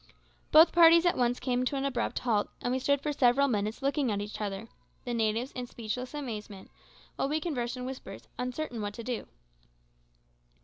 Both parties at once came to an abrupt halt, and we stood for several minutes looking at each other the natives in speechless amazement, while we conversed in whispers, uncertain what to do.